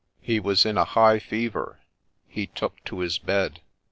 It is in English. He was in a high fever ; he took to his bed.